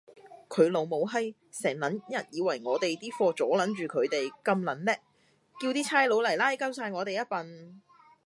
佢老母閪，成撚日以為我哋啲貨阻撚住佢地，咁撚叻，叫啲差佬嚟拉鳩哂我哋呀笨